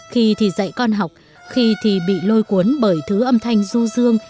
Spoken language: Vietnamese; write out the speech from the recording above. khi thì dạy con học khi thì bị lôi cuốn bởi thứ âm thanh du dương